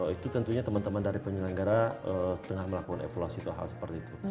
itu tentunya teman teman dari penyelenggara tengah melakukan evaluasi ke hal seperti itu